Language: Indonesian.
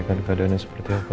kan keadaannya seperti apa